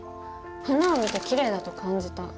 花を見てキレイだと感じた。